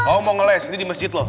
oh mau ngeles ini di masjid loh